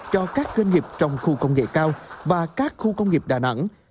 cho các doanh nghiệp trong khu công nghệ cao và các khu công nghiệp đà nẵng